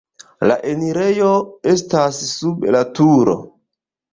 La enirejo estas sub la turo.